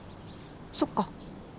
そっか。